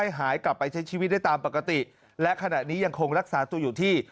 หายกลับไปใช้ชีวิตได้ตามปกติและขณะนี้ยังคงรักษาตัวอยู่ที่